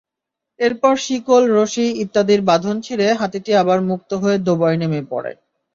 এরপর শিকল-রশি ইত্যাদির বাঁধন ছিঁড়ে হাতিটি আবার মুক্ত হয়ে ডোবায় নেমে পড়ে।